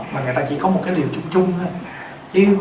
mà người ta chỉ có một cái liều chung chung thôi